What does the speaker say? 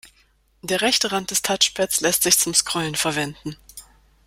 Der rechte Rand des Touchpads lässt sich zum Scrollen verwenden.